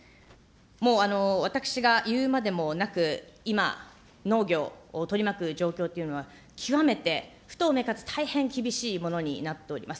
もう私が言うまでもなく、今、農業を取り巻く状況というのは、極めて不透明かつ大変厳しいものになっております。